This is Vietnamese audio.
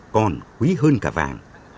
còn quý hơn cả vàng